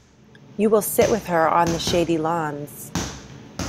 You will sit with her on the shady lawns.